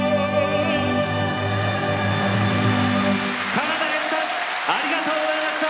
鹿賀丈史さんありがとうございました。